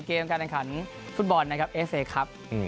เกมส์การเรียนขันฟุตบอลนะครับเอฟเฟคครับอืม